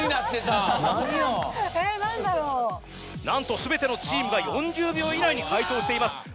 なんと全てのチームが４０秒以内に解答しています。